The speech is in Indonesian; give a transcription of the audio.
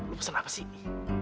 lo pesan apa sih